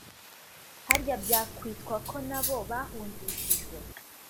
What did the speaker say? harya byakwitwa ko nabo bahungishijwe